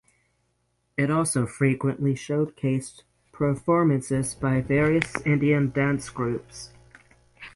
It also frequently showcased performances by various Indian dance groups.